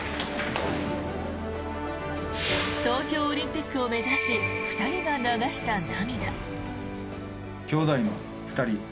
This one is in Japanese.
東京オリンピックを目指し２人が流した涙。